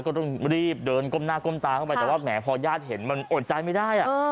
ก็ต้องรีบเดินก้มหน้าก้มตาเข้าไปแต่ว่าแหมพอญาติเห็นมันอดใจไม่ได้